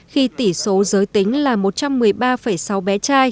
khi tỷ số giới tính là một trăm một mươi ba sáu bé trai